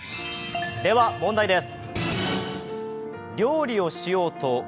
では問題です。